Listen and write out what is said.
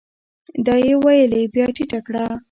دا يې ويلې بيا ټيټه کړه ؟